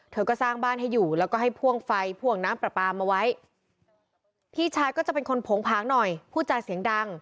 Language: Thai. เธอก็สร้างบ้านให้อยู่แล้วก็ให้พ่วงไฟพ่วงน้ำปลามาไว้